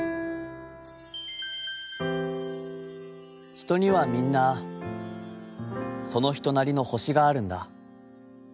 「『ひとにはみんな、そのひとなりの星があるんだ。